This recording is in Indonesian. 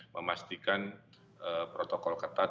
memastikan protokol ketat